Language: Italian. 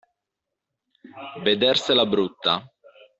Vedersela brutta.